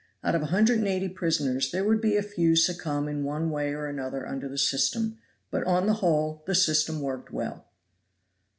Out of a hundred and eighty prisoners there would be a few succumb in one way or another under the system, but on the whole the system worked well.